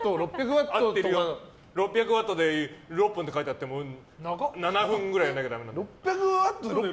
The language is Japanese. ６００ワットで６分って書いてても７分ぐらいやらなきゃだめ。